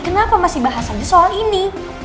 kenapa masih bahas aja soal ini